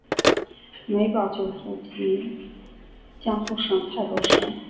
梅葆玖祖籍江苏省泰州市。